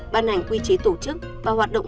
ban hành quy chế tổ chức và hoạt động